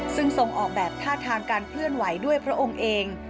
ซึ่งทรงออกแบบท่าทางการเคลื่อนไหวด้วยพระองค์เอง